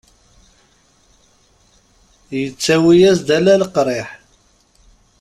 Yettawi-as-d ala leqriḥ.